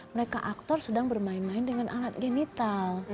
mereka aktor sedang bermain main dengan alat genital